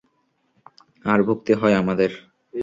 আর ভুগতে হয় আমাদের।